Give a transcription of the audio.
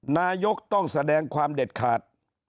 นายกต้องแสดงความเด็ดขาด